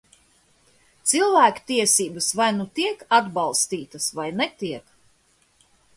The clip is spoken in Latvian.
Cilvēktiesības vai nu tiek atbalstītas, vai netiek.